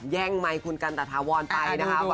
่งไมค์คุณกันตะถาวรไปนะคะ